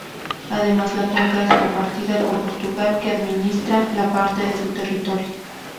Además la cuenca es compartida con Portugal que administra la parte de su territorio.